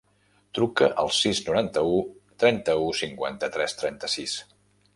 Truca al sis, noranta-u, trenta-u, cinquanta-tres, trenta-sis.